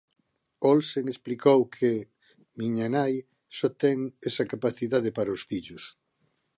Olsen explicou que "miña nai só ten esa capacidade para os fillos".